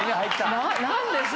何です？